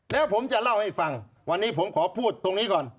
แล้วผมจะเล่าให้ฟังวันนี้ผมขอพูดตรงนี้ก่อน